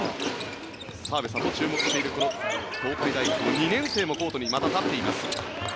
澤部さんも注目している東海大学の２年生もコートにまた立っています。